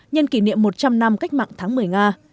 nhân kỷ niệm một trăm linh năm cách mạng tháng một mươi nga